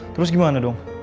terus gimana dong